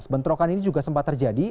bentrokan ini juga sempat terjadi